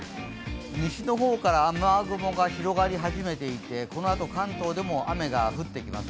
西の方から雨雲が広がり始めていてこのあと関東でも雨が降ってきます。